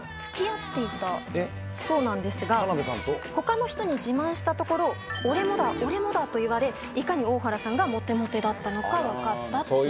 ほかの人に自慢したところ、俺もだ、俺もだと言われ、いかに大原さんがモテモテだったのか分かったっていう。